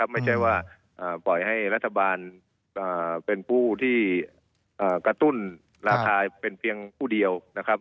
ไม่ใช่ว่าปล่อยให้รัฐบาลเป็นผู้ที่กระตุ้นราคาเป็นเพียงผู้เดียวนะครับ